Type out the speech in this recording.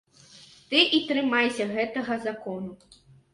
Ты і трымайся гэтага закону.